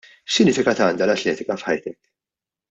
X'sinifikat għandha l-atletika f'ħajtek?